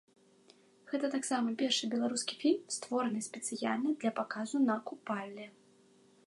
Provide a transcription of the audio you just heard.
Гэта таксама першы беларускі фільм, створаны спецыяльна для паказу на купале.